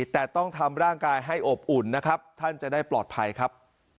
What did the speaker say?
แต่ต้องทำร่างกายให้อบอุ่นนะครับท่านจะได้ปลอดภัยครับ